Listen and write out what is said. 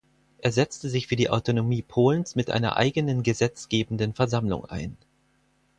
Er setzte sich für die Autonomie Polens mit einer eigenen gesetzgebenden Versammlung ein.